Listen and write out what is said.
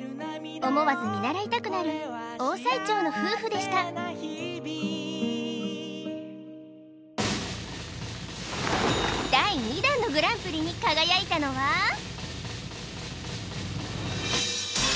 思わず見習いたくなるオオサイチョウの夫婦でした第２弾のグランプリに輝いたのはお！